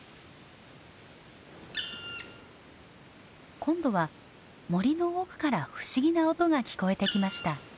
今度は森の奥から不思議な音が聞こえてきました。